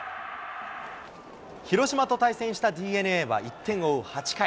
広島と対戦したＤｅＮＡは、１点を追う８回。